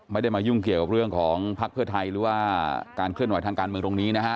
ไม่ได้มายุ่งเกี่ยวกับเรื่องของภักดิ์เพื่อไทยหรือว่าการเคลื่อนไหวทางการเมืองตรงนี้นะฮะ